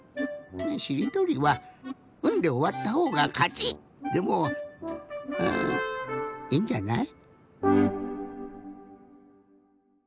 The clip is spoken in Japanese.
しりとりは「ん」でおわったほうがかちでもいいんじゃない？